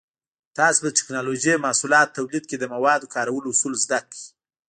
تاسو به د ټېکنالوجۍ محصولاتو تولید کې د موادو کارولو اصول زده کړئ.